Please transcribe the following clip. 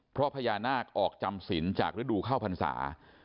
เพราะพญานาคออกจำศิลป์จากฤดูข้าวพรรษา